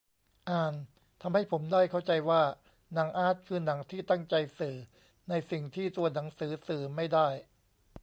"อ่าน" ทำให้ผมได้เข้าใจว่า หนังอาร์ต คือหนังที่ตั้งใจสื่อในสิ่งที่ตัวหนังสือสื่อไม่ได้